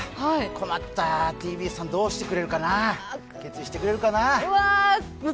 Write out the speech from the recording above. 困った、ＴＢＳさん、どうしてくれるかな、決意してくれるかな。